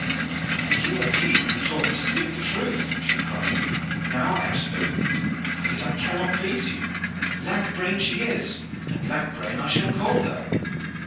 "And you are he who taught me to speak the truth," she cried. "Now I have spoken it, and yet I cannot please you. Lack brain she is, and lack brain I shall call her."